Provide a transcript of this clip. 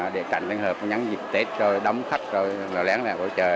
để cảnh lên hợp nhắn dịp tết rồi đóng khách rồi lén lẹ của chờ